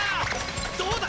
どうだ！